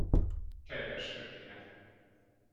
Kedves történet.